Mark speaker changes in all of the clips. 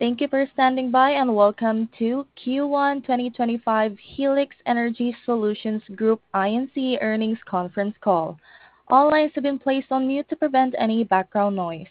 Speaker 1: Thank you for standing by and welcome to Q1 2025 Helix Energy Solutions Group earnings conference call. All lines have been placed on mute to prevent any background noise.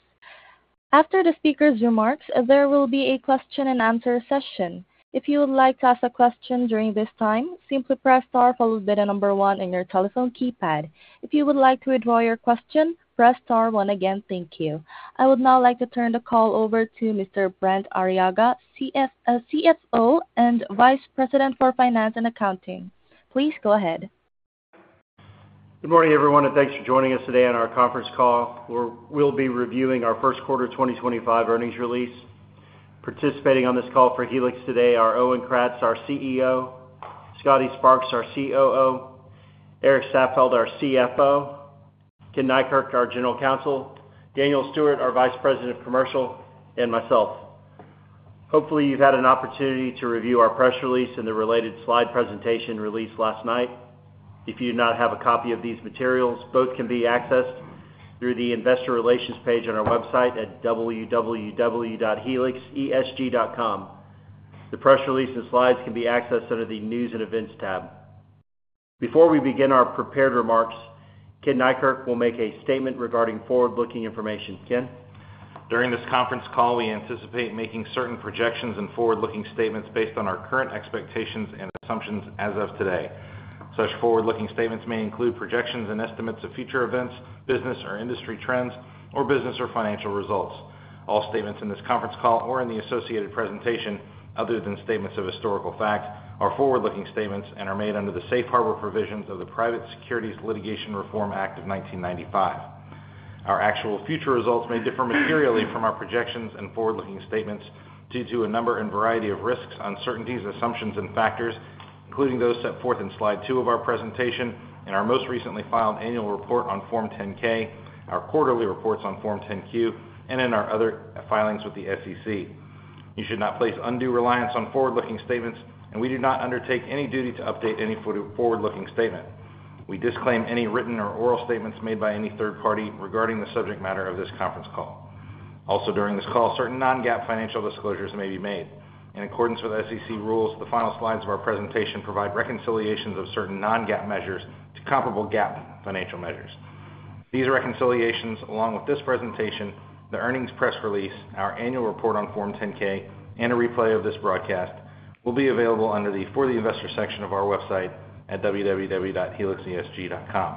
Speaker 1: After the speaker's remarks, there will be a question-and-answer session. If you would like to ask a question during this time, simply press star followed by the number one on your telephone keypad. If you would like to withdraw your question, press star one again. Thank you. I would now like to turn the call over to Mr. Brent Arriaga, CFO and Vice President for Finance and Accounting. Please go ahead.
Speaker 2: Good morning, everyone, and thanks for joining us today on our conference call. We'll be reviewing our first quarter 2025 earnings release. Participating on this call for Helix today are Owen Kratz, our CEO; Scotty Sparks, our COO; Erik Staffeldt, our CFO; Ken Neikirk, our General Counsel; Daniel Stewart, our Vice President of Commercial; and myself. Hopefully, you've had an opportunity to review our press release and the related slide presentation released last night. If you do not have a copy of these materials, both can be accessed through the investor relations page on our website at www.helixesg.com. The press release and slides can be accessed under the news and events tab. Before we begin our prepared remarks, Ken Neikirk will make a statement regarding forward-looking information. Ken?
Speaker 3: During this conference call, we anticipate making certain projections and forward-looking statements based on our current expectations and assumptions as of today. Such forward-looking statements may include projections and estimates of future events, business or industry trends, or business or financial results. All statements in this conference call or in the associated presentation, other than statements of historical fact, are forward-looking statements and are made under the Safe Harbor Provisions of the Private Securities Litigation Reform Act of 1995. Our actual future results may differ materially from our projections and forward-looking statements due to a number and variety of risks, uncertainties, assumptions, and factors, including those set forth in slide two of our presentation and our most recently filed annual report on Form 10-K, our quarterly reports on Form 10-Q, and in our other filings with the SEC. You should not place undue reliance on forward-looking statements, and we do not undertake any duty to update any forward-looking statement. We disclaim any written or oral statements made by any third party regarding the subject matter of this conference call. Also, during this call, certain non-GAAP financial disclosures may be made. In accordance with SEC rules, the final slides of our presentation provide reconciliations of certain non-GAAP measures to comparable GAAP financial measures. These reconciliations, along with this presentation, the earnings press release, our annual report on Form 10-K, and a replay of this broadcast will be available under the For the Investor section of our website at www.helixesg.com.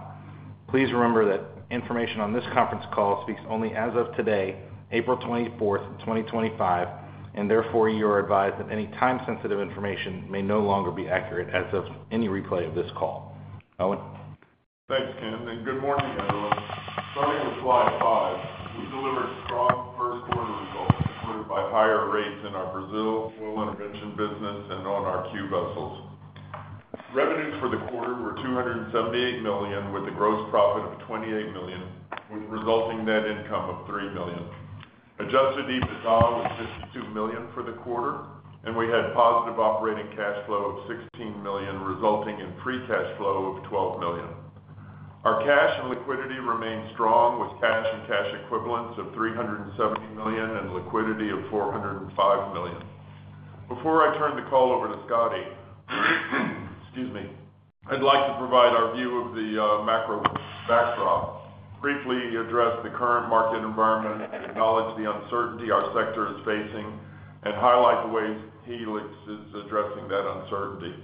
Speaker 3: Please remember that information on this conference call speaks only as of today, April 24, 2025, and therefore you are advised that any time-sensitive information may no longer be accurate as of any replay of this call. Owen?
Speaker 4: Thanks, Ken, and good morning, everyone. Starting with slide five, we delivered strong first-quarter results supported by higher rates in our Brazil oil intervention business and on our Q vessels. Revenues for the quarter were $278 million, with a gross profit of $28 million, with resulting net income of $3 million. Adjusted EBITDA was $52 million for the quarter, and we had positive operating cash flow of $16 million, resulting in free cash flow of $12 million. Our cash and liquidity remained strong, with cash and cash equivalents of $370 million and liquidity of $405 million. Before I turn the call over to Scotty, excuse me, I'd like to provide our view of the macro backdrop, briefly address the current market environment, acknowledge the uncertainty our sector is facing, and highlight the ways Helix is addressing that uncertainty.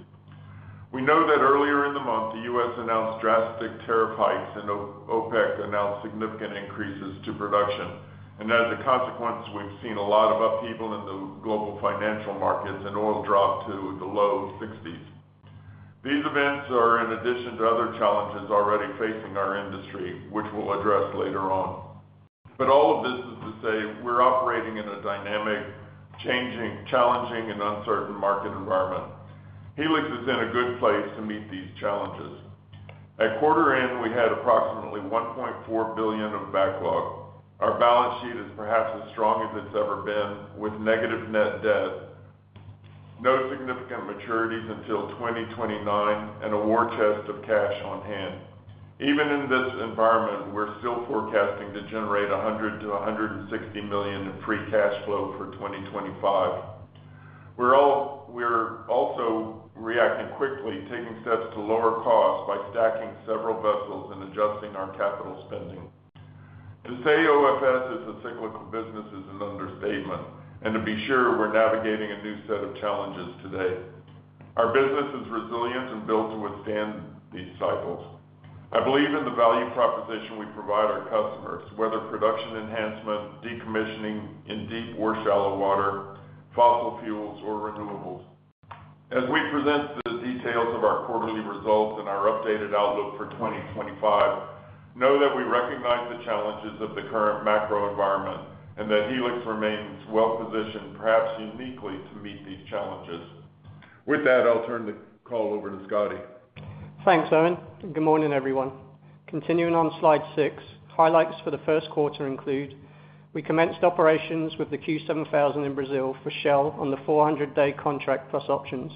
Speaker 4: We know that earlier in the month, the U.S. announced drastic tariff hikes, and OPEC announced significant increases to production, and as a consequence, we've seen a lot of upheaval in the global financial markets and oil drop to the low $60s. These events are, in addition to other challenges already facing our industry, which we'll address later on. All of this is to say we're operating in a dynamic, changing, challenging, and uncertain market environment. Helix is in a good place to meet these challenges. At quarter end, we had approximately $1.4 billion of backlog. Our balance sheet is perhaps as strong as it's ever been, with negative net debt, no significant maturities until 2029, and a war chest of cash on hand. Even in this environment, we're still forecasting to generate $100-$160 million in free cash flow for 2025. We're also reacting quickly, taking steps to lower costs by stacking several vessels and adjusting our capital spending. To say OFS is a cyclical business is an understatement, and to be sure, we're navigating a new set of challenges today. Our business is resilient and built to withstand these cycles. I believe in the value proposition we provide our customers, whether production enhancement, decommissioning in deep or shallow water, fossil fuels, or renewables. As we present the details of our quarterly results and our updated outlook for 2025, know that we recognize the challenges of the current macro environment and that Helix remains well-positioned, perhaps uniquely to meet these challenges. With that, I'll turn the call over to Scotty.
Speaker 5: Thanks, Owen. Good morning, everyone. Continuing on slide six, highlights for the first quarter include we commenced operations with the Q7000 in Brazil for Shell on the 400-day contract plus options.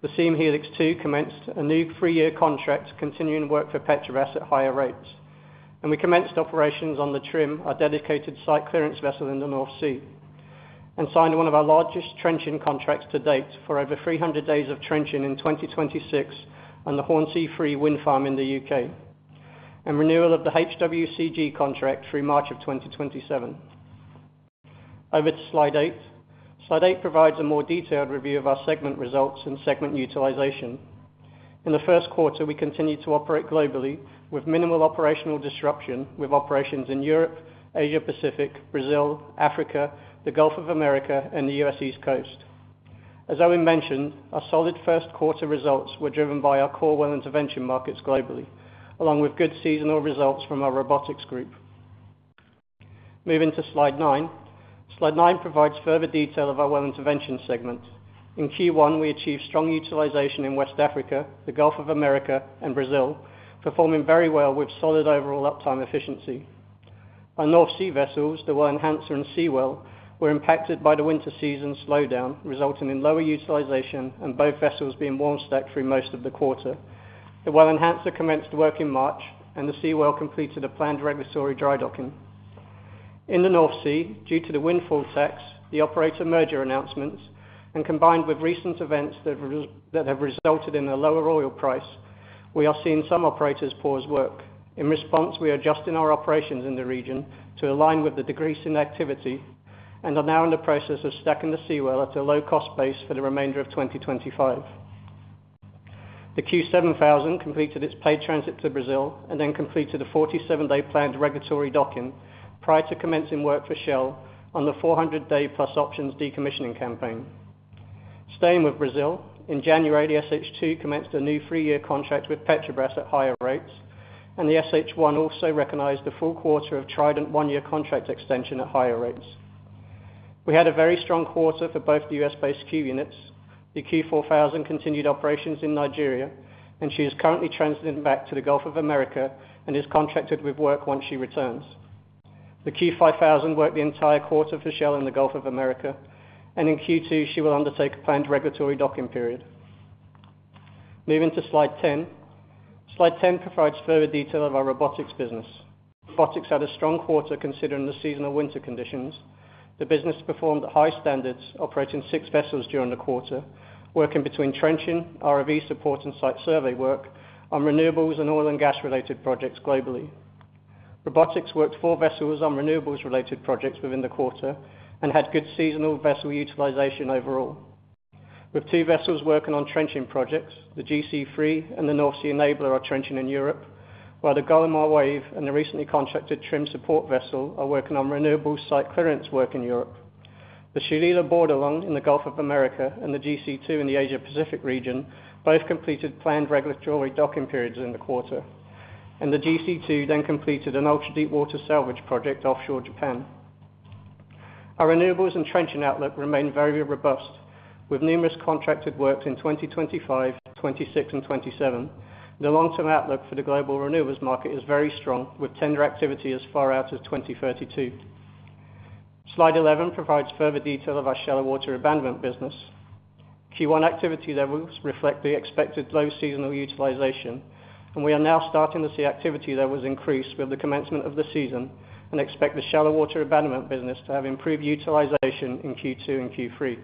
Speaker 5: The Siem Helix 2 commenced a new three-year contract, continuing work for Petrobras at higher rates. We commenced operations on the Trym, our dedicated site clearance vessel in the North Sea, and signed one of our largest trenching contracts to date for over 300 days of trenching in 2026 on the Hornsea Three Wind Farm in the U.K., and renewal of the HWCG contract through March of 2027. Over to slide eight. Slide eight provides a more detailed review of our segment results and segment utilization. In the first quarter, we continued to operate globally with minimal operational disruption, with operations in Europe, Asia-Pacific, Brazil, Africa, the Gulf of Mexico, and the U.S. East Coast. As Owen mentioned, our solid first-quarter results were driven by our core well intervention markets globally, along with good seasonal results from our robotics group. Moving to slide nine. Slide nine provides further detail of our well intervention segment. In Q1, we achieved strong utilization in West Africa, the Gulf of Mexico, and Brazil, performing very well with solid overall uptime efficiency. Our North Sea vessels, the Well Enhancer and Seawell, were impacted by the winter season slowdown, resulting in lower utilization and both vessels being warm-stacked through most of the quarter. The Well Enhancer commenced work in March, and the Seawell completed a planned regulatory dry docking. In the North Sea, due to the windfall tax, the operator merger announcements, and combined with recent events that have resulted in a lower oil price, we are seeing some operators pause work. In response, we are adjusting our operations in the region to align with the decreasing activity and are now in the process of stacking the Seawell at a low-cost base for the remainder of 2025. The Q7000 completed its paid transit to Brazil and then completed a 47-day planned regulatory docking prior to commencing work for Shell on the 400-day-plus options decommissioning campaign. Staying with Brazil, in January, the SH2 commenced a new three-year contract with Petrobras at higher rates, and the SH1 also recognized a full quarter of Trident one-year contract extension at higher rates. We had a very strong quarter for both the U.S.-based Q units. The Q4000 continued operations in Nigeria, and she is currently transiting back to the Gulf of Mexico and is contracted with work once she returns. The Q5000 worked the entire quarter for Shell in the Gulf of Mexico, and in Q2, she will undertake a planned regulatory docking period. Moving to slide ten. Slide ten provides further detail of our robotics business. Robotics had a strong quarter considering the seasonal winter conditions. The business performed at high standards, operating six vessels during the quarter, working between trenching, ROV support, and site survey work on renewables and oil and gas-related projects globally. Robotics worked four vessels on renewables-related projects within the quarter and had good seasonal vessel utilization overall. With two vessels working on trenching projects, the GC3 and the North Sea Enabler are trenching in Europe, while the Glomar Wave and the recently contracted Trym support vessel are working on renewable site clearance work in Europe. The Shelia Bordelon in the Gulf of Mexico and the GC2 in the Asia-Pacific region both completed planned regulatory docking periods in the quarter, and the GC2 then completed an ultra-deep-water salvage project offshore Japan. Our renewables and trenching outlook remained very robust, with numerous contracted works in 2025, 2026, and 2027. The long-term outlook for the global renewables market is very strong, with tender activity as far out as 2032. Slide 11 provides further detail of our shallow water abandonment business. Q1 activity levels reflect the expected low seasonal utilization, and we are now starting to see activity levels increase with the commencement of the season and expect the shallow water abandonment business to have improved utilization in Q2 and Q3.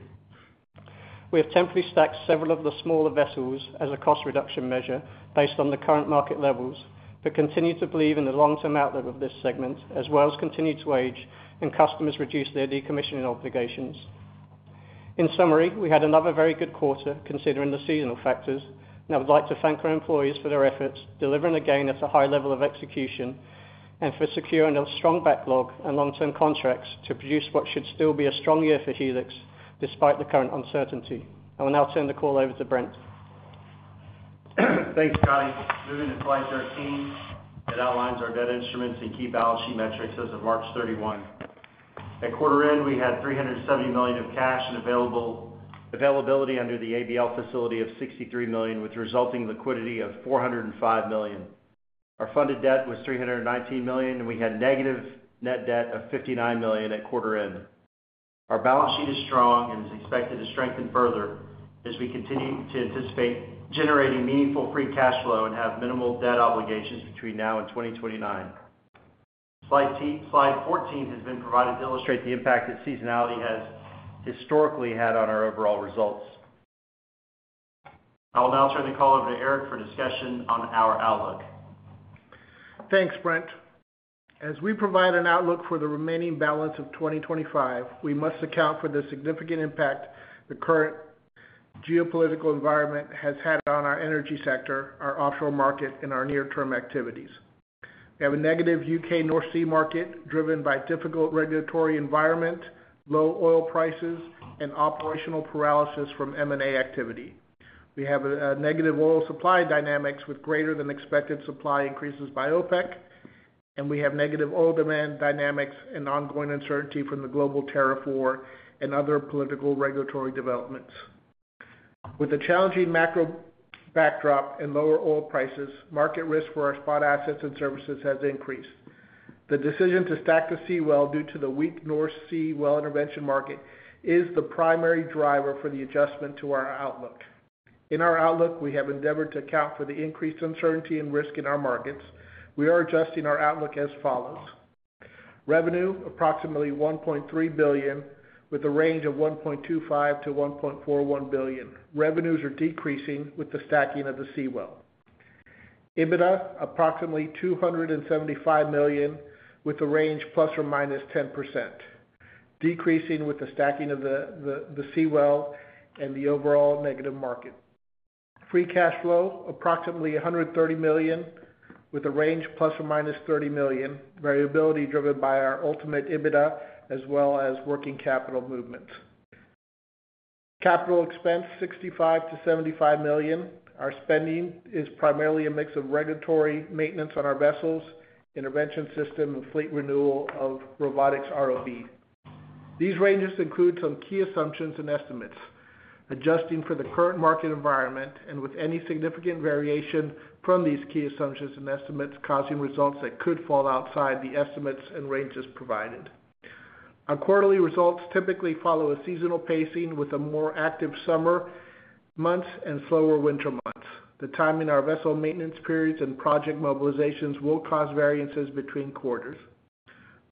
Speaker 5: We have temporarily stacked several of the smaller vessels as a cost reduction measure based on the current market levels, but continue to believe in the long-term outlook of this segment, as well as continue to age and customers reduce their decommissioning obligations. In summary, we had another very good quarter considering the seasonal factors, and I would like to thank our employees for their efforts, delivering again at a high level of execution, and for securing a strong backlog and long-term contracts to produce what should still be a strong year for Helix despite the current uncertainty. I will now turn the call over to Brent.
Speaker 2: Thanks, Scotty. Moving to slide 13. It outlines our debt instruments and key balance sheet metrics as of March 31. At quarter end, we had $370 million of cash and availability under the ABL facility of $63 million, with resulting liquidity of $405 million. Our funded debt was $319 million, and we had negative net debt of $59 million at quarter end. Our balance sheet is strong and is expected to strengthen further as we continue to anticipate generating meaningful free cash flow and have minimal debt obligations between now and 2029. Slide 14 has been provided to illustrate the impact that seasonality has historically had on our overall results. I will now turn the call over to Erik for discussion on our outlook.
Speaker 6: Thanks, Brent. As we provide an outlook for the remaining balance of 2025, we must account for the significant impact the current geopolitical environment has had on our energy sector, our offshore market, and our near-term activities. We have a negative U.K. North Sea market driven by difficult regulatory environment, low oil prices, and operational paralysis from M&A activity. We have a negative oil supply dynamics with greater-than-expected supply increases by OPEC, and we have negative oil demand dynamics and ongoing uncertainty from the global tariff war and other political regulatory developments. With a challenging macro backdrop and lower oil prices, market risk for our spot assets and services has increased. The decision to stack the Seawell due to the weak North Seawell intervention market is the primary driver for the adjustment to our outlook. In our outlook, we have endeavored to account for the increased uncertainty and risk in our markets. We are adjusting our outlook as follows. Revenue, approximately $1.3 billion, with a range of $1.25-$1.41 billion. Revenues are decreasing with the stacking of the Seawell. EBITDA, approximately $275 million, with a range plus or minus 10%, decreasing with the stacking of the Seawell and the overall negative market. Free cash flow, approximately $130 million, with a range ±$30 million, variability driven by our ultimate EBITDA as well as working capital movements. Capital expense, $65-$75 million. Our spending is primarily a mix of regulatory maintenance on our vessels, intervention system, and fleet renewal of robotics ROV. These ranges include some key assumptions and estimates, adjusting for the current market environment and with any significant variation from these key assumptions and estimates causing results that could fall outside the estimates and ranges provided. Our quarterly results typically follow a seasonal pacing with more active summer months and slower winter months. The timing of our vessel maintenance periods and project mobilizations will cause variances between quarters.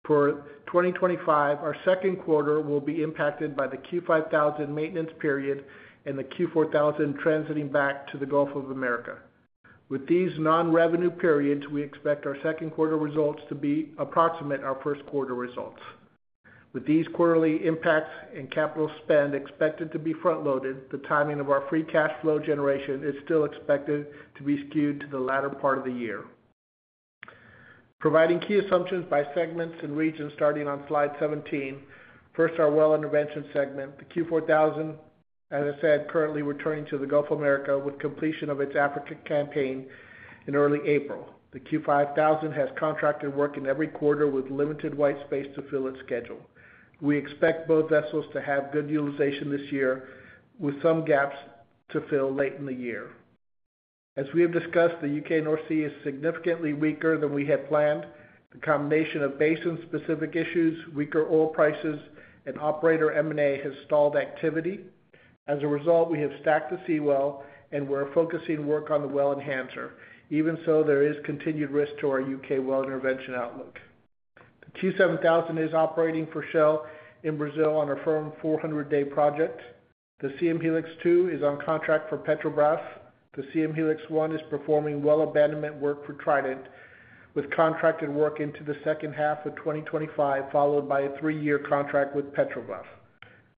Speaker 6: For 2025, our second quarter will be impacted by the Q5000 maintenance period and the Q4000 transiting back to the Gulf of Mexico. With these non-revenue periods, we expect our second quarter results to approximate our first quarter results. With these quarterly impacts and capital spend expected to be front-loaded, the timing of our free cash flow generation is still expected to be skewed to the latter part of the year. Providing key assumptions by segments and regions starting on slide 17, first our well intervention segment, the Q4000, as I said, currently returning to the Gulf of Mexico with completion of its Africa campaign in early April. The Q5000 has contracted work in every quarter with limited white space to fill its schedule. We expect both vessels to have good utilization this year with some gaps to fill late in the year. As we have discussed, the U.K. North Sea is significantly weaker than we had planned. The combination of basin-specific issues, weaker oil prices, and operator M&A has stalled activity. As a result, we have stacked the Seawell and we're focusing work on the Well Enhancer, even so there is continued risk to our U.K. well intervention outlook. The Q7000 is operating for Shell in Brazil on a firm 400-day project. The Helix 2 is on contract for Petrobras. The Helix 1 is performing well abandonment work for Trident with contracted work into the second half of 2025, followed by a three-year contract with Petrobras.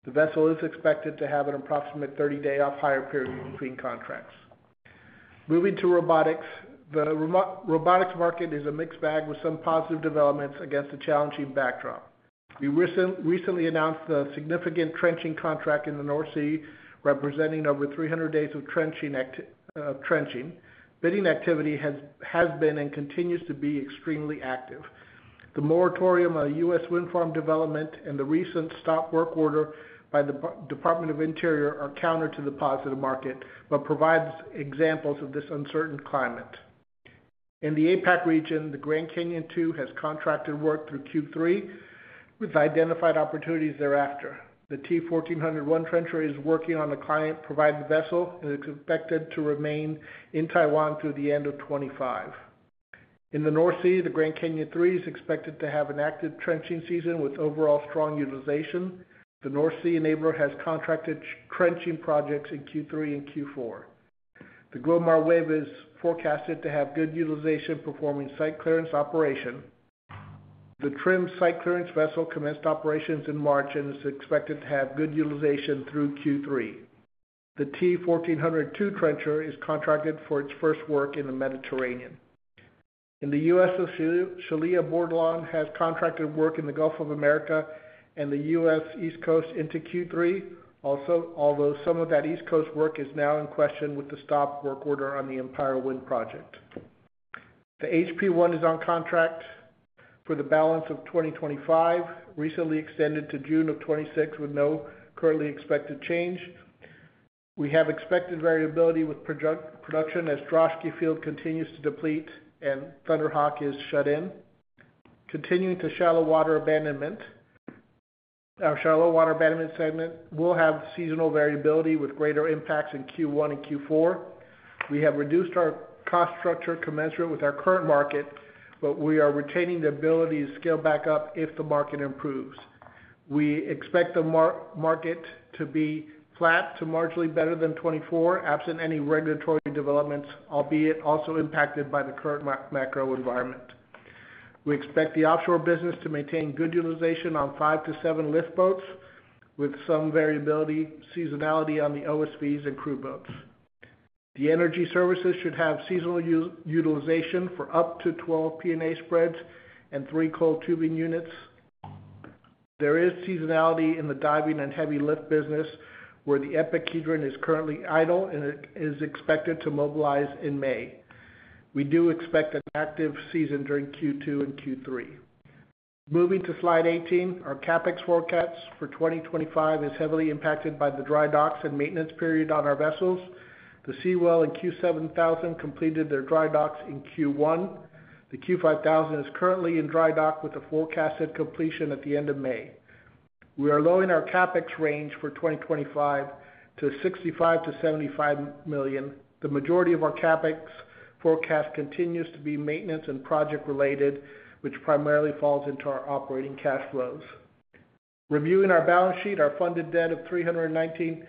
Speaker 6: The vessel is expected to have an approximate 30-day off-hire period between contracts. Moving to robotics, the robotics market is a mixed bag with some positive developments against a challenging backdrop. We recently announced the significant trenching contract in the North Sea representing over 300 days of trenching. Bidding activity has been and continues to be extremely active. The moratorium on U.S. wind farm development and the recent stop-work order by the Department of Interior are counter to the positive market but provide examples of this uncertain climate. In the APAC region, the Grand Canyon 2 has contracted work through Q3 with identified opportunities thereafter. The T1401 trencher is working on a client-provided vessel and is expected to remain in Taiwan through the end of 2025. In the North Sea, the Grand Canyon 3 is expected to have an active trenching season with overall strong utilization. The North Sea Enabler has contracted trenching projects in Q3 and Q4. The Glomar Wave is forecasted to have good utilization performing site clearance operation. The Trym site clearance vessel commenced operations in March and is expected to have good utilization through Q3. The T1402 trencher is contracted for its first work in the Mediterranean. In the U.S., the Shelia Bordelon has contracted work in the Gulf of Mexico and the U.S. East Coast into Q3, although some of that East Coast work is now in question with the stop work order on the Empire Wind project. The HP1 is on contract for the balance of 2025, recently extended to June of 2026 with no currently expected change. We have expected variability with production as Droshky Field continues to deplete and Thunderhawk is shut in. Continuing to shallow water abandonment, our shallow water abandonment segment will have seasonal variability with greater impacts in Q1 and Q4. We have reduced our cost structure commensurate with our current market, but we are retaining the ability to scale back up if the market improves. We expect the market to be flat to marginally better than 2024, absent any regulatory developments, albeit also impacted by the current macro environment. We expect the offshore business to maintain good utilization on 5-7 liftboats with some variability seasonality on the OSVs and crew boats. The energy services should have seasonal utilization for up to 12 P&A spreads and three coiled tubing units. There is seasonality in the diving and heavy lift business where the Epic Hedron is currently idle and is expected to mobilize in May. We do expect an active season during Q2 and Q3. Moving to slide 18, our CapEx forecast for 2025 is heavily impacted by the dry docks and maintenance period on our vessels. The Seawell and Q7000 completed their dry docks in Q1. The Q5000 is currently in dry dock with a forecasted completion at the end of May. We are lowering our CapEx range for 2025 to $65-$75 million. The majority of our CapEx forecast continues to be maintenance and project-related, which primarily falls into our operating cash flows. Reviewing our balance sheet, our funded debt of $319 million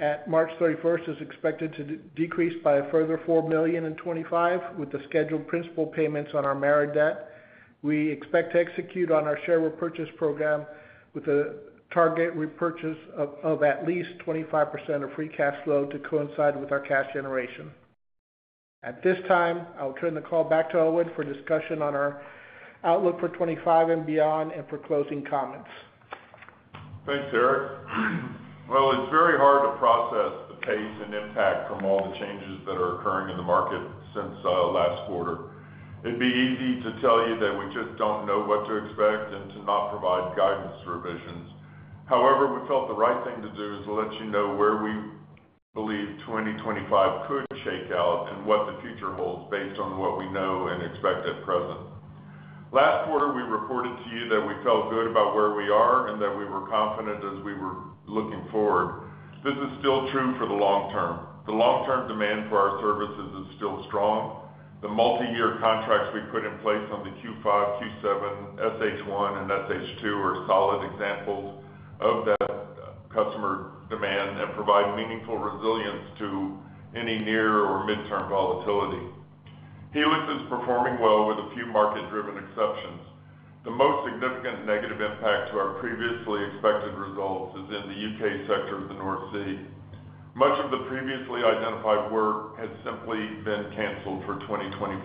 Speaker 6: at March 31 is expected to decrease by a further $4 million in 2025 with the scheduled principal payments on our maturity debt. We expect to execute on our share repurchase program with a target repurchase of at least 25% of free cash flow to coincide with our cash generation. At this time, I'll turn the call back to Owen for discussion on our outlook for 2025 and beyond and for closing comments.
Speaker 4: Thanks, Erik. It's very hard to process the pace and impact from all the changes that are occurring in the market since last quarter. It'd be easy to tell you that we just don't know what to expect and to not provide guidance revisions. However, we felt the right thing to do is to let you know where we believe 2025 could shake out and what the future holds based on what we know and expect at present. Last quarter, we reported to you that we felt good about where we are and that we were confident as we were looking forward. This is still true for the long term. The long-term demand for our services is still strong. The multi-year contracts we put in place on the Q5000, Q7000, Helix 1 (SH1), and Helix 2 (SH2) are solid examples of that customer demand and provide meaningful resilience to any near or mid-term volatility. Helix is performing well with a few market-driven exceptions. The most significant negative impact to our previously expected results is in the U.K. sector of the North Sea. Much of the previously identified work has simply been canceled for 2025,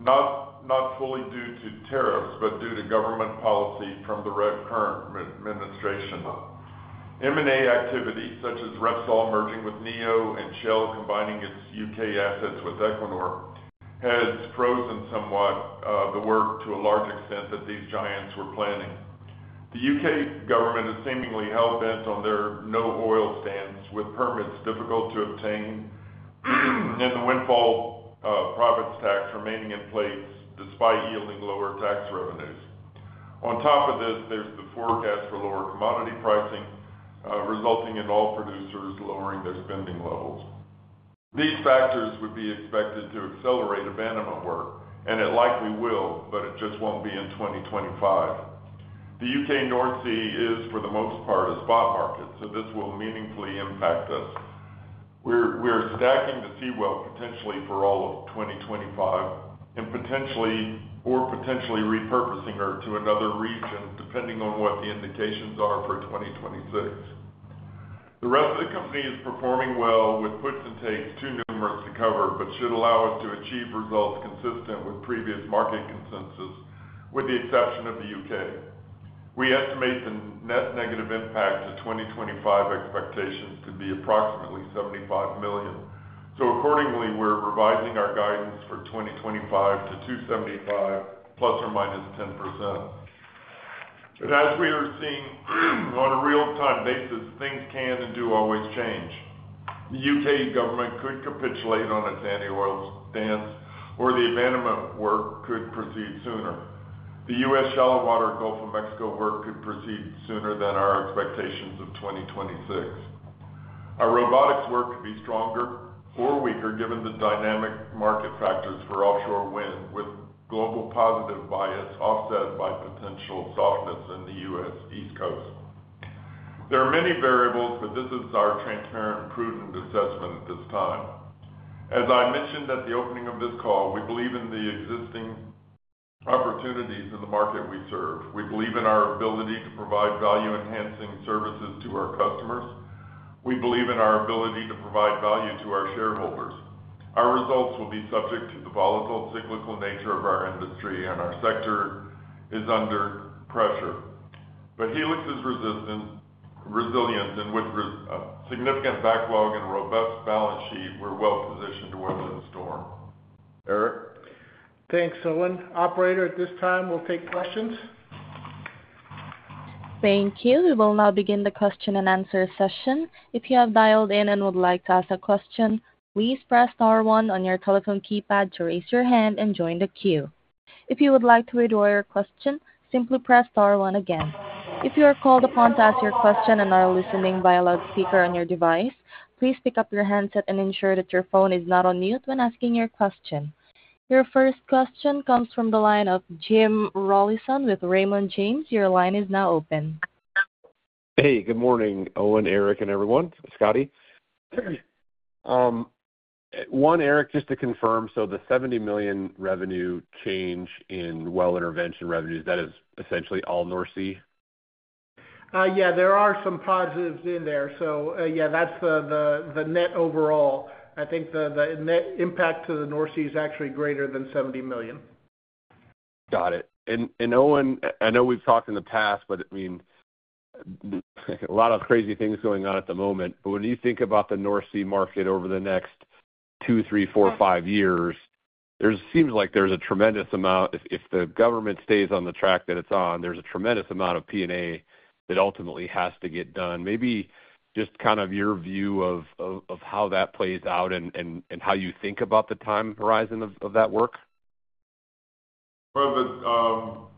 Speaker 4: not fully due to tariffs, but due to government policy from the current administration. M&A activity, such as Repsol merging with NEO Energy and Shell combining its U.K. assets with Equinor, has frozen somewhat the work to a large extent that these giants were planning. The U.K. government is seemingly hell-bent on their no-oil stance with permits difficult to obtain and the windfall profits tax remaining in place despite yielding lower tax revenues. On top of this, there's the forecast for lower commodity pricing resulting in all producers lowering their spending levels. These factors would be expected to accelerate abandonment work, and it likely will, it just will not be in 2025. The U.K. North Sea is, for the most part, a spot market, so this will meaningfully impact us. We're stacking the Seawell potentially for all of 2025 and potentially or potentially repurposing her to another region depending on what the indications are for 2026. The rest of the company is performing well with puts and takes too numerous to cover but should allow us to achieve results consistent with previous market consensus with the exception of the U.K. We estimate the net negative impact to 2025 expectations to be approximately $75 million. Accordingly, we're revising our guidance for 2025 to $275 million ±10%. As we are seeing on a real-time basis, things can and do always change. The U.K. government could capitulate on its anti-oil stance or the abandonment work could proceed sooner. The U.S. shallow water Gulf of Mexico work could proceed sooner than our expectations of 2026. Our robotics work could be stronger or weaker given the dynamic market factors for offshore wind with global positive bias offset by potential softness in the U.S. East Coast. There are many variables, but this is our transparent and prudent assessment at this time. As I mentioned at the opening of this call, we believe in the existing opportunities in the market we serve. We believe in our ability to provide value-enhancing services to our customers. We believe in our ability to provide value to our shareholders. Our results will be subject to the volatile cyclical nature of our industry and our sector is under pressure. Helix is resilient and with significant backlog and robust balance sheet, we're well-positioned to weather the storm. Erik.
Speaker 6: Thanks, Owen. Operator, at this time, we'll take questions.
Speaker 1: Thank you. We will now begin the question and answer session. If you have dialed in and would like to ask a question, please press star one on your telephone keypad to raise your hand and join the queue. If you would like to withdraw your question, simply press star one again. If you are called upon to ask your question and are listening via loudspeaker on your device, please pick up your handset and ensure that your phone is not on mute when asking your question. Your first question comes from the line of Jim Rollyson with Raymond James. Your line is now open.
Speaker 7: Hey, good morning, Owen, Erik, and everyone. Scotty. One, Erik, just to confirm, so the $70 million revenue change in well intervention revenues, that is essentially all North Sea?
Speaker 6: Yeah, there are some positives in there. Yeah, that's the net overall. I think the net impact to the North Sea is actually greater than $70 million.
Speaker 7: Got it. Owen, I know we've talked in the past, but I mean, a lot of crazy things going on at the moment. When you think about the North Sea market over the next two, three, four, five years, it seems like there's a tremendous amount if the government stays on the track that it's on, there's a tremendous amount of P&A that ultimately has to get done. Maybe just kind of your view of how that plays out and how you think about the time horizon of that work?
Speaker 4: I'll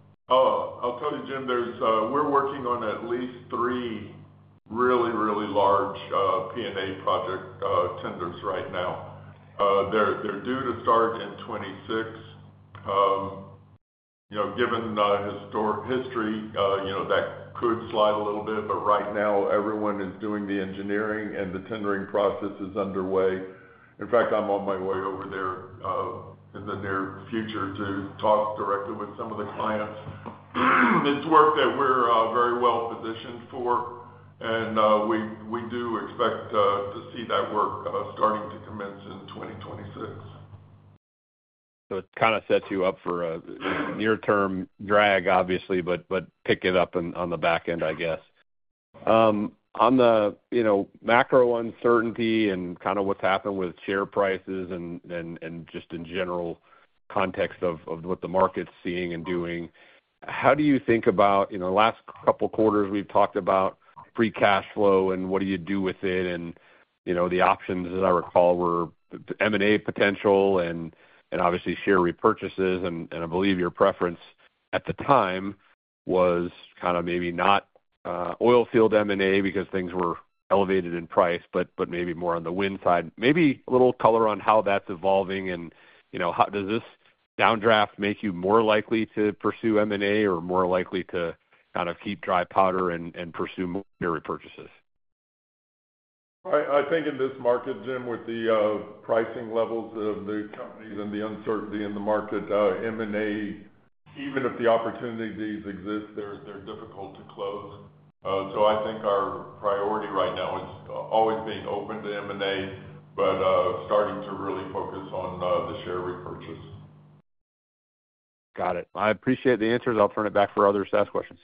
Speaker 4: tell you, Jim, we're working on at least three really, really large P&A project tenders right now. They're due to start in 2026. Given the history, that could slide a little bit, but right now, everyone is doing the engineering and the tendering process is underway. In fact, I'm on my way over there in the near future to talk directly with some of the clients. It's work that we're very well-positioned for, and we do expect to see that work starting to commence in 2026.
Speaker 7: It kind of sets you up for a near-term drag, obviously, but pick it up on the back end, I guess. On the macro uncertainty and kind of what's happened with share prices and just in general context of what the market's seeing and doing, how do you think about the last couple of quarters we've talked about free cash flow and what do you do with it? The options, as I recall, were M&A potential and obviously share repurchases. I believe your preference at the time was kind of maybe not oil field M&A because things were elevated in price, but maybe more on the wind side. Maybe a little color on how that's evolving and how does this downdraft make you more likely to pursue M&A or more likely to kind of keep dry powder and pursue more share repurchases?
Speaker 4: I think in this market, Jim, with the pricing levels of the companies and the uncertainty in the market, M&A, even if the opportunities exist, they're difficult to close. I think our priority right now is always being open to M&A, but starting to really focus on the share repurchase.
Speaker 7: Got it. I appreciate the answers. I'll turn it back for other staff questions.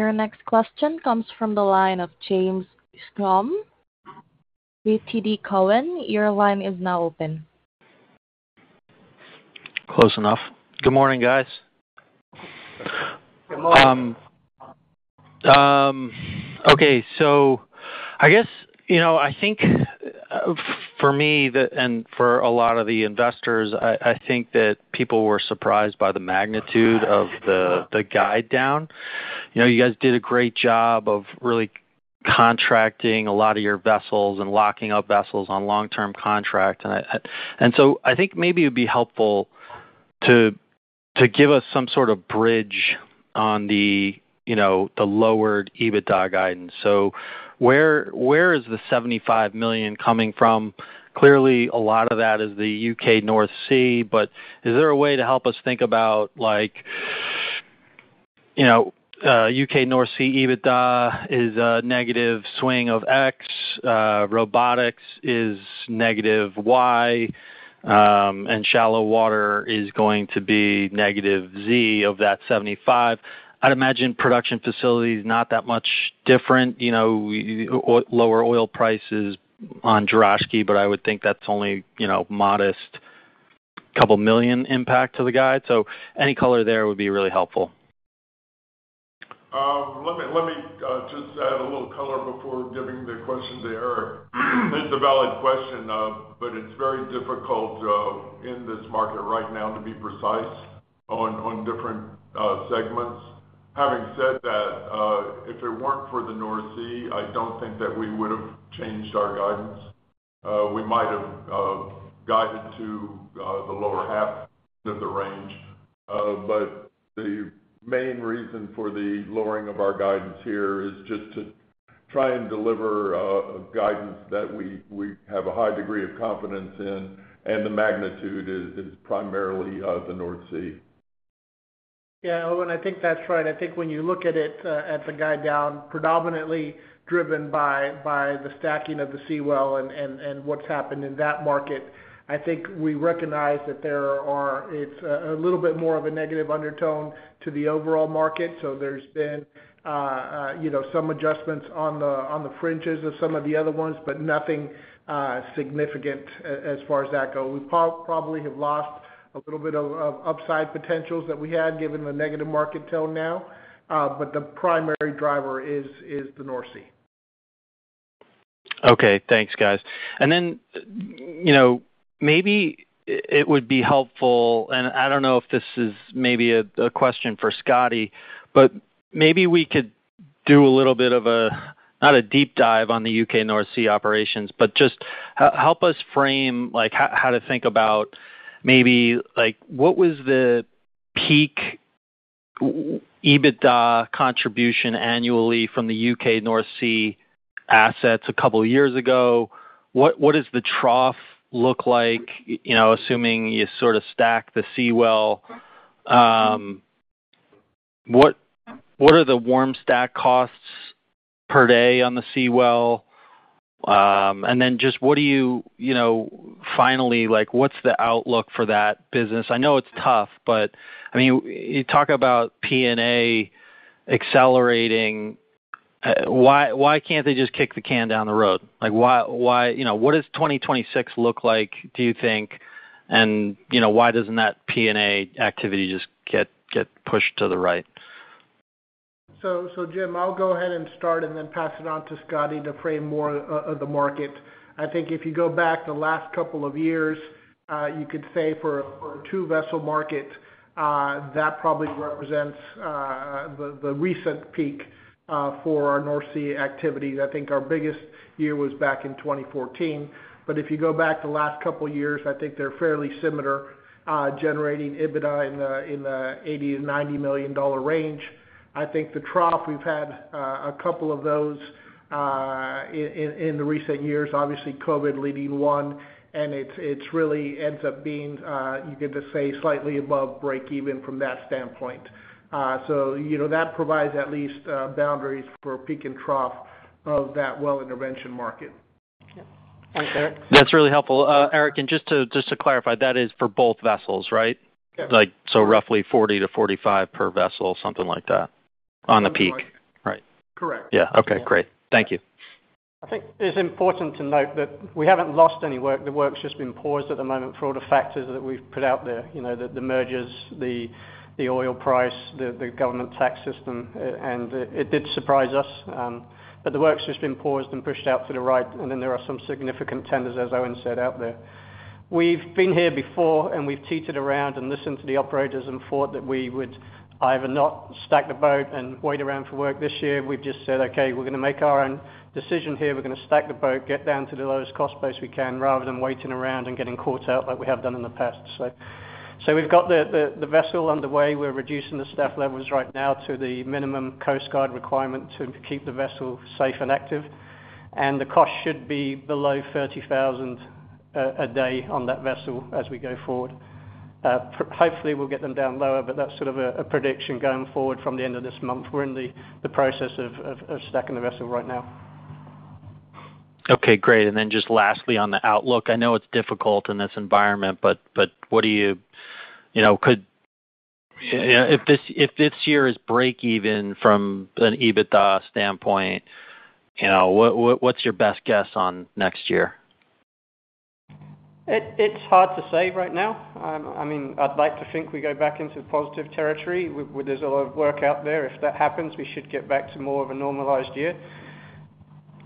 Speaker 1: Your next question comes from the line of James Schumm with TD Cowen. Your line is now open.
Speaker 8: Close enough. Good morning, guys.
Speaker 6: Good morning.
Speaker 8: Okay. I guess I think for me and for a lot of the investors, I think that people were surprised by the magnitude of the guide down. You guys did a great job of really contracting a lot of your vessels and locking up vessels on long-term contract. I think maybe it would be helpful to give us some sort of bridge on the lowered EBITDA guidance. Where is the $75 million coming from? Clearly, a lot of that is the U.K. North Sea, but is there a way to help us think about U.K. North Sea EBITDA as a negative swing of X, robotics is -Y, and shallow water is going to be -Z of that $75 million. I'd imagine production facilities not that much different, lower oil prices on Droshky, but I would think that's only modest couple million impact to the guide. Any color there would be really helpful.
Speaker 4: Let me just add a little color before giving the question to Erik. It's a valid question, but it's very difficult in this market right now to be precise on different segments. Having said that, if it weren't for the North Sea, I don't think that we would have changed our guidance. We might have guided to the lower half of the range, but the main reason for the lowering of our guidance here is just to try and deliver guidance that we have a high degree of confidence in, and the magnitude is primarily the North Sea.
Speaker 6: Yeah, Owen, I think that's right. I think when you look at it, at the guide down, predominantly driven by the stacking of the Seawell and what's happened in that market, I think we recognize that there is a little bit more of a negative undertone to the overall market. There's been some adjustments on the fringes of some of the other ones, but nothing significant as far as that goes. We probably have lost a little bit of upside potentials that we had given the negative market tone now, but the primary driver is the North Sea.
Speaker 8: Okay. Thanks, guys. Maybe it would be helpful, and I do not know if this is maybe a question for Scotty, but maybe we could do a little bit of a, not a deep dive on the U.K. North Sea operations, but just help us frame how to think about maybe what was the peak EBITDA contribution annually from the U.K. North Sea assets a couple of years ago. What does the trough look like, assuming you sort of stack the Seawell? What are the warm stack costs per day on the Seawell? Then just what do you, finally, what is the outlook for that business? I know it is tough, but I mean, you talk about P&A accelerating. Why cannot they just kick the can down the road? What does 2026 look like, do you think, and why does not that P&A activity just get pushed to the right?
Speaker 6: Jim, I'll go ahead and start and then pass it on to Scotty to frame more of the market. I think if you go back the last couple of years, you could say for a two-vessel market, that probably represents the recent peak for our North Sea activity. I think our biggest year was back in 2014. If you go back the last couple of years, I think they're fairly similar generating EBITDA in the $80 million-$90 million range. I think the trough, we've had a couple of those in the recent years, obviously COVID leading one, and it really ends up being, you get to say, slightly above break-even from that standpoint. That provides at least boundaries for peak and trough of that well intervention market.
Speaker 5: Thanks, Erik.
Speaker 8: That's really helpful. Erik, and just to clarify, that is for both vessels, right?
Speaker 6: Yeah.
Speaker 8: Roughly 40-45 per vessel, something like that on the peak.
Speaker 6: Correct.
Speaker 8: Right.
Speaker 6: Correct.
Speaker 8: Yeah. Okay. Great. Thank you.
Speaker 6: I think it's important to note that we haven't lost any work. The work's just been paused at the moment for all the factors that we've put out there, the mergers, the oil price, the government tax system, and it did surprise us. The work's just been paused and pushed out to the right, and there are some significant tenders, as Owen said, out there. We've been here before, and we've teetered around and listened to the operators and thought that we would either not stack the boat and wait around for work this year. We've just said, "Okay, we're going to make our own decision here. We're going to stack the boat, get down to the lowest cost base we can," rather than waiting around and getting caught out like we have done in the past. We've got the vessel underway. We're reducing the staff levels right now to the minimum Coast Guard requirement to keep the vessel safe and active. The cost should be below $30,000 a day on that vessel as we go forward. Hopefully, we'll get them down lower, but that's sort of a prediction going forward from the end of this month. We're in the process of stacking the vessel right now.
Speaker 8: Okay. Great. Lastly, on the outlook, I know it's difficult in this environment, but what do you think if this year is break-even from an EBITDA standpoint, what's your best guess on next year?
Speaker 6: It's hard to say right now. I mean, I'd like to think we go back into positive territory. There's a lot of work out there. If that happens, we should get back to more of a normalized year.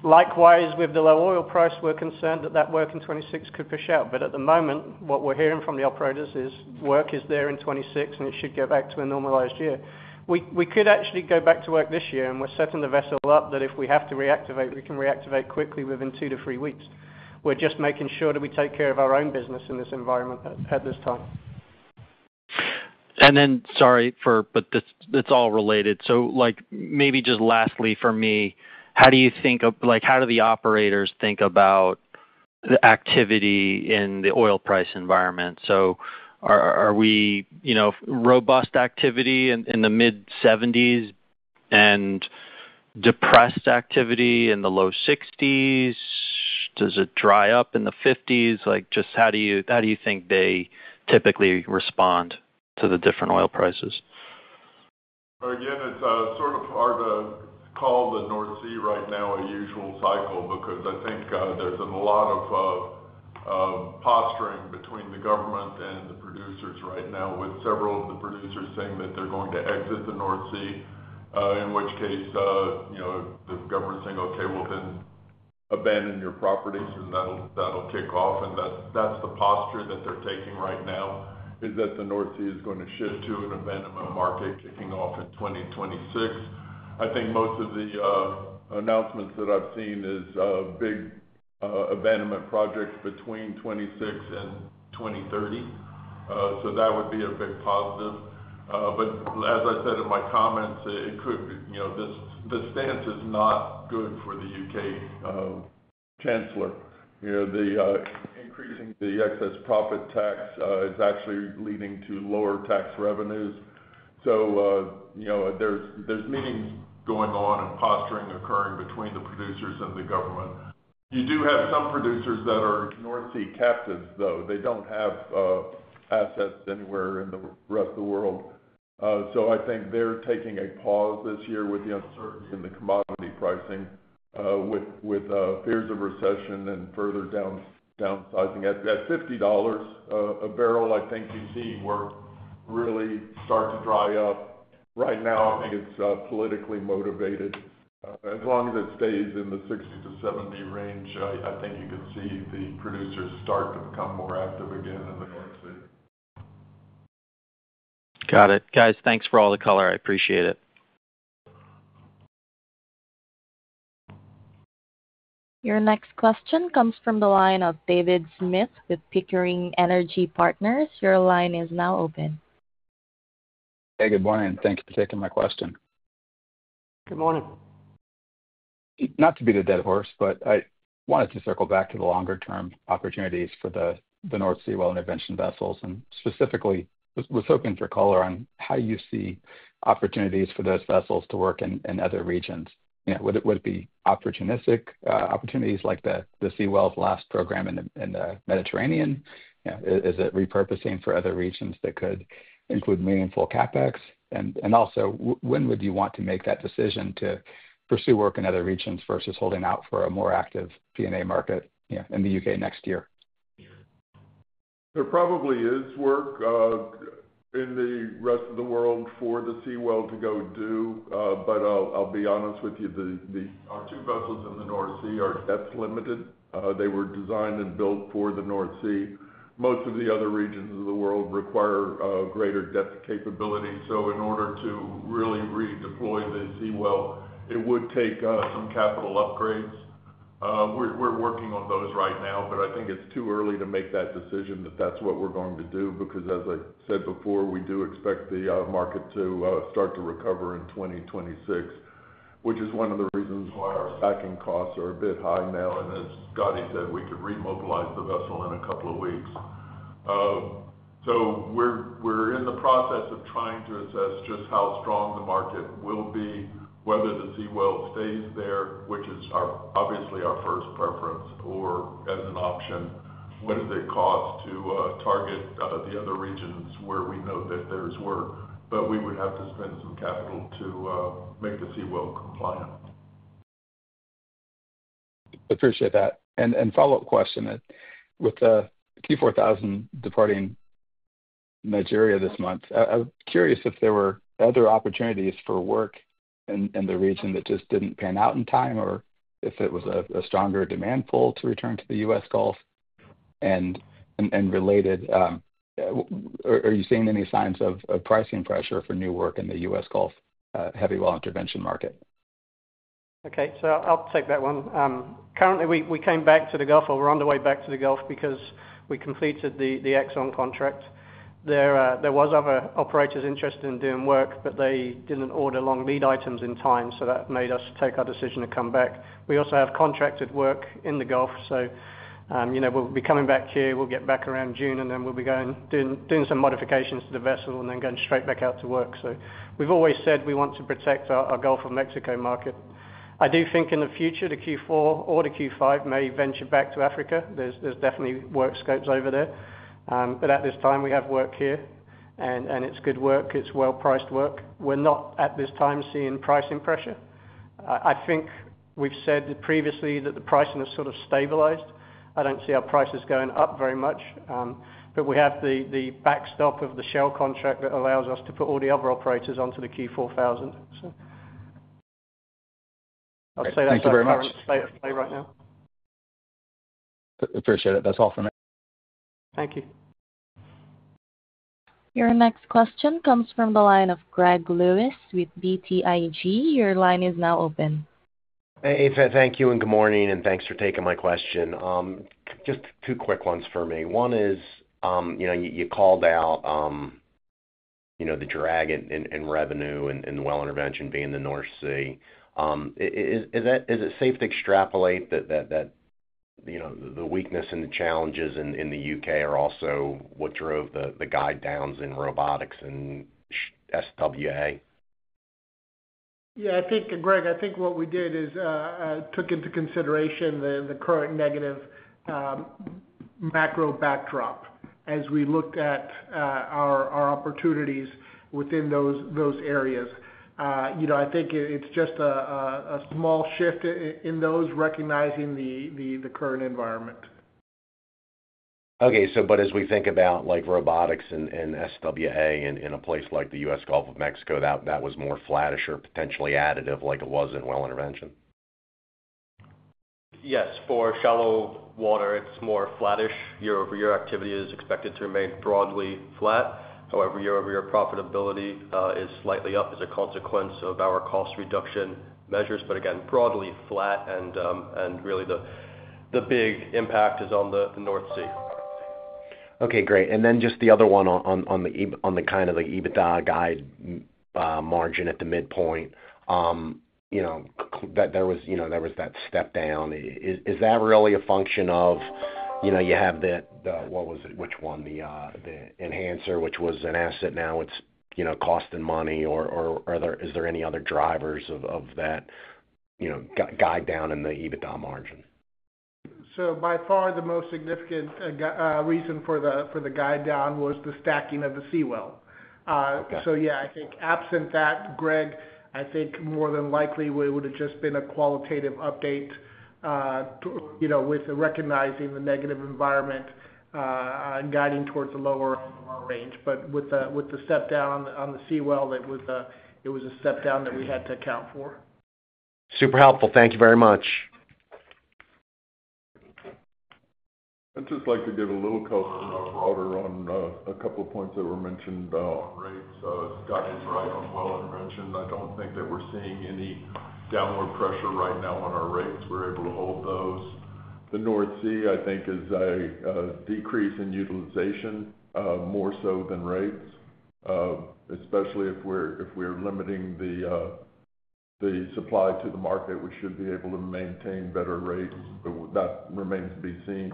Speaker 6: Likewise, with the low oil price, we're concerned that that work in 2026 could push out. At the moment, what we're hearing from the operators is work is there in 2026, and it should get back to a normalized year. We could actually go back to work this year, and we're setting the vessel up that if we have to reactivate, we can reactivate quickly within two to three weeks. We're just making sure that we take care of our own business in this environment at this time.
Speaker 8: Sorry, but it's all related. Maybe just lastly for me, how do you think of how do the operators think about the activity in the oil price environment? Are we robust activity in the mid-70s and depressed activity in the low 60s? Does it dry up in the 50s? Just how do you think they typically respond to the different oil prices?
Speaker 4: Again, it's sort of hard to call the North Sea right now a usual cycle because I think there's a lot of posturing between the government and the producers right now, with several of the producers saying that they're going to exit the North Sea, in which case the government's saying, "Okay, well, then abandon your properties, and that'll kick off." That's the posture that they're taking right now, is that the North Sea is going to shift to an abandonment market kicking off in 2026. I think most of the announcements that I've seen is big abandonment projects between 2026 and 2030. That would be a big positive. As I said in my comments, it could be the stance is not good for the U.K. Chancellor. Increasing the excess profit tax is actually leading to lower tax revenues. There are meetings going on and posturing occurring between the producers and the government. You do have some producers that are North Sea captives, though. They do not have assets anywhere in the rest of the world. I think they are taking a pause this year with the uncertainty in the commodity pricing, with fears of recession and further downsizing. At $50 a barrel, I think you see work really start to dry up. Right now, I think it is politically motivated. As long as it stays in the $60-$70 range, I think you can see the producers start to become more active again in the North Sea.
Speaker 8: Got it. Guys, thanks for all the color. I appreciate it.
Speaker 1: Your next question comes from the line of David Smith with Pickering Energy Partners. Your line is now open.
Speaker 9: Hey, good morning. Thank you for taking my question.
Speaker 6: Good morning.
Speaker 9: Not to beat a dead horse, but I wanted to circle back to the longer-term opportunities for the North Seawell intervention vessels. Specifically, I was hoping for color on how you see opportunities for those vessels to work in other regions. Would it be opportunistic opportunities like the Seawell's last program in the Mediterranean? Is it repurposing for other regions that could include meaningful CapEx? Also, when would you want to make that decision to pursue work in other regions versus holding out for a more active P&A market in the U.K. next year?
Speaker 4: There probably is work in the rest of the world for the Seawell to go do, but I'll be honest with you, our two vessels in the North Sea are depth-limited. They were designed and built for the North Sea. Most of the other regions of the world require greater depth capability. In order to really redeploy the Seawell, it would take some capital upgrades. We're working on those right now, but I think it's too early to make that decision that that's what we're going to do because, as I said before, we do expect the market to start to recover in 2026, which is one of the reasons why our stacking costs are a bit high now. As Scotty said, we could remobilize the vessel in a couple of weeks. We are in the process of trying to assess just how strong the market will be, whether the Seawell stays there, which is obviously our first preference, or as an option, what does it cost to target the other regions where we know that there is work? We would have to spend some capital to make the Seawell compliant.
Speaker 9: Appreciate that. Follow-up question. With the Q4000 departing Nigeria this month, I'm curious if there were other opportunities for work in the region that just didn't pan out in time or if it was a stronger demand pull to return to the US Gulf and related? Are you seeing any signs of pricing pressure for new work in the US Gulf heavy well intervention market?
Speaker 6: Okay. I'll take that one. Currently, we came back to the Gulf. We're on the way back to the Gulf because we completed the ExxonMobil contract. There were other operators interested in doing work, but they did not order long lead items in time, so that made us take our decision to come back. We also have contracted work in the Gulf. We'll be coming back here. We'll get back around June, and then we'll be doing some modifications to the vessel and then going straight back out to work. We've always said we want to protect our Gulf of Mexico market. I do think in the future, the Q4000 or the Q5000 may venture back to Africa. There's definitely work scopes over there. At this time, we have work here, and it's good work. It's well-priced work. We're not, at this time, seeing pricing pressure. I think we've said previously that the pricing has sort of stabilized. I don't see our prices going up very much, but we have the backstop of the Shell contract that allows us to put all the other operators onto the Q4000. I'll say that's all I want to say right now.
Speaker 9: Thank you very much. Appreciate it. That's all from me.
Speaker 6: Thank you.
Speaker 1: Your next question comes from the line of Greg Lewis with BTIG. Your line is now open.
Speaker 10: Hey, thank you, and good morning, and thanks for taking my question. Just two quick ones for me. One is you called out the drag in revenue and well intervention being the North Sea. Is it safe to extrapolate that the weakness and the challenges in the U.K. are also what drove the guide downs in robotics and SWA?
Speaker 6: Yeah. I think, Greg, I think what we did is took into consideration the current negative macro backdrop as we looked at our opportunities within those areas. I think it's just a small shift in those, recognizing the current environment.
Speaker 10: Okay. As we think about robotics and SWA in a place like the U.S. Gulf of Mexico, that was more flattish or potentially additive like it was in well intervention?
Speaker 3: Yes. For shallow water, it's more flattish. Year-over-year activity is expected to remain broadly flat. However, year-over-year profitability is slightly up as a consequence of our cost reduction measures. Again, broadly flat, and really the big impact is on the North Sea.
Speaker 10: Okay. Great. Just the other one on the kind of the EBITDA guide margin at the midpoint, there was that step down. Is that really a function of you have the—what was it? Which one? The Well Enhancer, which was an asset now. It's costing money or are there any other drivers of that guide down in the EBITDA margin?
Speaker 6: By far, the most significant reason for the guide down was the stacking of the Seawell. Yeah, I think absent that, Greg, I think more than likely it would have just been a qualitative update with recognizing the negative environment and guiding towards a lower range. With the step down on the Seawell, it was a step down that we had to account for.
Speaker 10: Super helpful. Thank you very much.
Speaker 4: I'd just like to give a little coastal broader on a couple of points that were mentioned on rates. Scott is right on well intervention. I don't think that we're seeing any downward pressure right now on our rates. We're able to hold those. The North Sea, I think, is a decrease in utilization more so than rates, especially if we're limiting the supply to the market. We should be able to maintain better rates. That remains to be seen.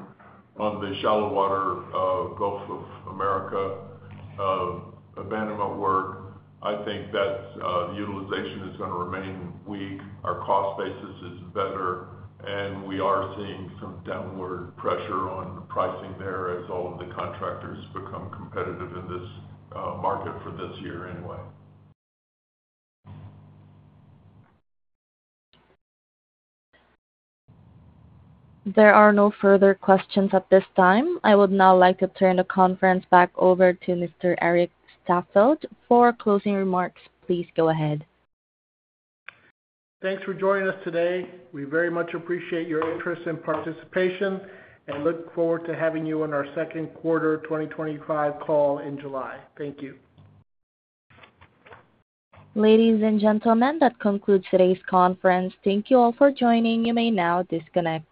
Speaker 4: On the shallow water Gulf of Mexico abandonment work, I think that the utilization is going to remain weak. Our cost basis is better, and we are seeing some downward pressure on pricing there as all of the contractors become competitive in this market for this year anyway.
Speaker 1: There are no further questions at this time. I would now like to turn the conference back over to Mr. Erik Staffeldt for closing remarks. Please go ahead.
Speaker 6: Thanks for joining us today. We very much appreciate your interest and participation and look forward to having you on our second quarter 2025 call in July. Thank you.
Speaker 1: Ladies and gentlemen, that concludes today's conference. Thank you all for joining. You may now disconnect.